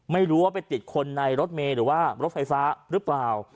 ไม่รู้ว่าไปติดคนในรถเมย์หรือว่ารถไฟฟ้าหรือเปล่า